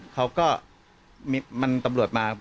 เขาก็มันตำรวจมา